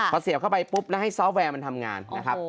พอเสียบเข้าไปปุ๊บแล้วให้ซอฟต์แวร์มันทำงานนะครับ